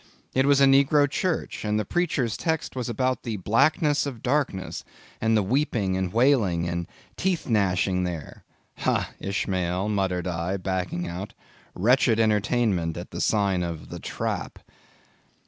It was a negro church; and the preacher's text was about the blackness of darkness, and the weeping and wailing and teeth gnashing there. Ha, Ishmael, muttered I, backing out, Wretched entertainment at the sign of 'The Trap!